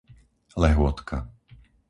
Lehôtka